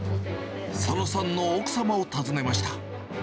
佐野さんの奥様を訪ねました。